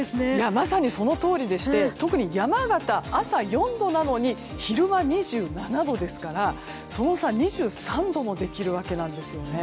まさにそのとおりでして特に山形、朝４度なのに昼間２７度ですからその差２３度もできるわけなんです。